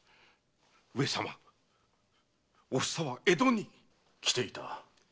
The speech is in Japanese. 上様おふさは江戸に！来ていた。